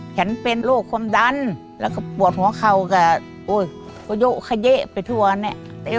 ฉันเป็นโรคความดันแล้วก็ปวดหัวเข่าก็เยอะเขยะไปทั่วเนี่ย